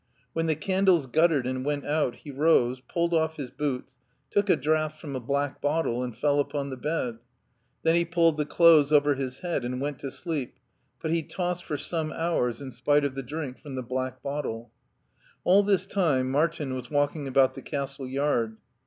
When the candles gut tered and went out he rose, pulled oflf his boots, took a draft from a black bottle, and fell upon the bed ; then he pulled the clothes over his head and went to sleep, but he tossied for some hours in spite of the drink from the black bottle. AH this tim^ Martin was walking about the castle yard.